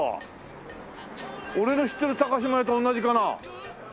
俺の知ってる島屋と同じかな？